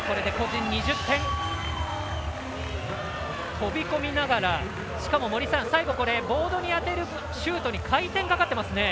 飛び込みながら、最後ボードに当てるシュートに回転かかっていますね。